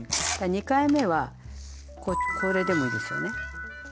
２回目はこれでもいいですよね。